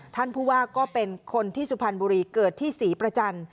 ท่านผู้ว่าก็เป็นคนที่สุพรรณบุรีเกิดที่ศรีประจันทร์